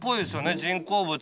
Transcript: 人工物。